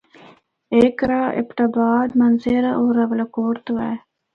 ہک راہ ایبٹ آباد، مانسہرہ ہور بالاکوٹ تو اے۔